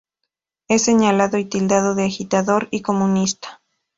Es señalado y tildado de agitador y comunista.